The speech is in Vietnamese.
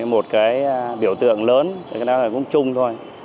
một cái biểu tượng lớn cái đó là cũng chung thôi